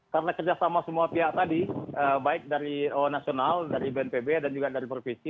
karena kerjasama semua pihak tadi baik dari onasional dari bnpb dan juga dari provinsi